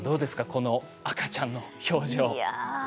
この赤ちゃんの表情。